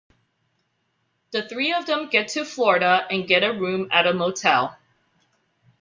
The three of them get to Florida and get a room at a motel.